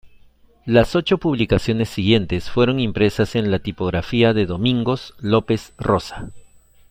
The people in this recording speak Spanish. Las ocho publicaciones siguientes fueron impresas en la tipografía de Domingos Lopes Rosa.